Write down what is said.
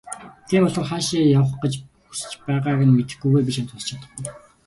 Тийм болохоор хаашаа явах гэж хүс байгааг чинь мэдэхгүйгээр би чамд тусалж чадахгүй.